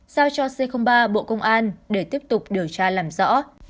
giao cho c ba bộ công an để tiếp tục điều tra làm rõ